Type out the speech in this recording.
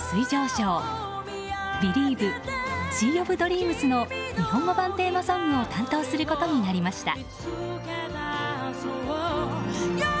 シー・オブ・ドリームス」の日本語版テーマソングを担当することになりました。